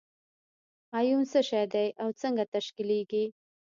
ایون څه شی دی او څنګه تشکیلیږي؟